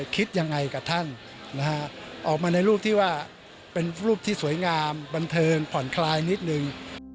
คิดยังไงกับท่านนะฮะออกมาในรูปที่ว่าเป็นรูปที่สวยงามบันเทิงผ่อนคลายนิดนึง